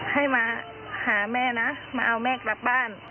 ให้มาหาแม่นะมาเอาแม่กลับบ้าน